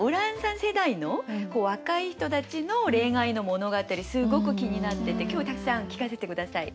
世代の若い人たちの恋愛の物語すごく気になってて今日たくさん聞かせて下さい。